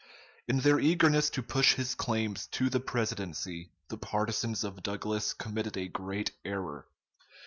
In their eagerness to push his claims to the presidency, the partisans of Douglas committed a great error.